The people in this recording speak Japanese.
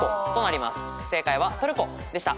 正解はトルコでした。